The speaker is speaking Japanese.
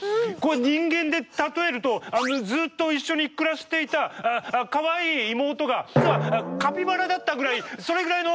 人間で例えるとずっと一緒に暮らしていたかわいい妹が実はカピバラだったぐらいそれぐらいのびっくりですよ。